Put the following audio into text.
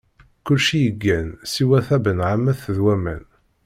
Kulci yeggan siwa tabenɛammet d waman.